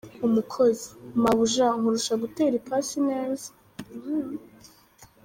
Umukozi: mabuja nkurusha gutera ipasi neza!.